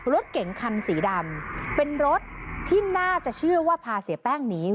รถเก๋งคันสีดำเป็นรถที่น่าจะเชื่อว่าพาเสียแป้งหนี